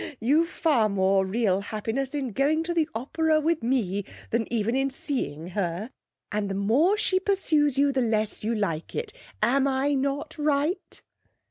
You've far more real happiness in going to the opera with me than even in seeing her, and the more she pursues you the less you like it. Am I not right?'